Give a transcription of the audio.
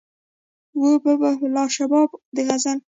وو به به لا شباب د غزل